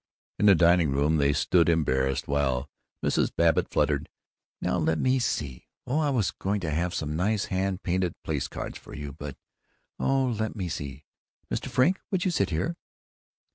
In the dining room they stood embarrassed while Mrs. Babbitt fluttered, "Now, let me see Oh, I was going to have some nice hand painted place cards for you but Oh, let me see; Mr. Frink, you sit there."